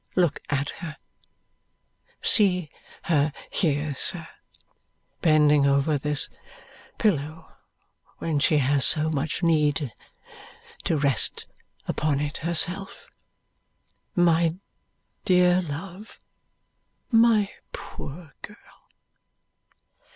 Look at her! See her here, sir, bending over this pillow when she has so much need to rest upon it herself, my dear love, my poor girl!"